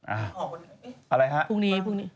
อะไรฮะพรุ่งนี้พรุ่งนี้